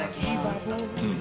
うん。